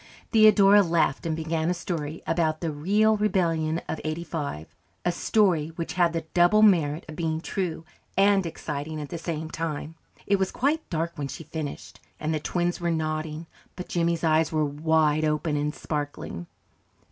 Theodora laughed, and began a story about the Riel Rebellion of '85 a story which had the double merit of being true and exciting at the same time. It was quite dark when she finished, and the twins were nodding, but Jimmy's eyes were wide open and sparkling.